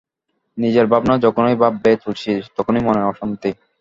নিজের ভাবনা যখনই ভাববে তুলসী, তখনি মনে অশান্তি।